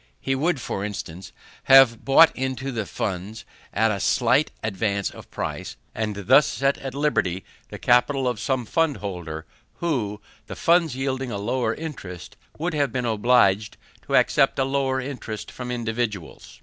He would, for instance, have bought into the funds, at a slight advance of price; and thus set at liberty the capital of some fundholder, who, the funds yielding a lower interest, would have been obliged to accept a lower interest from individuals.